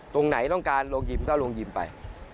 ตรงไหนต้องการโรงยิมก็โรงยิมไป